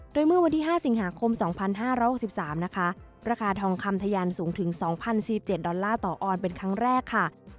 โดยเมื่อวันที่๕สิงหาคม๒๕๖๓นะคะราคาทองคำทะยันสูงถึง๒๐๔๗ดอลลาร์ต่อออนเป็นครั้งแรกค่ะ